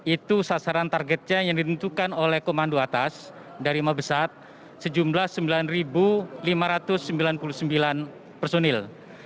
itu sasaran targetnya yang ditentukan oleh komando atas dari mabesat sejumlah sembilan lima ratus sembilan puluh sembilan personil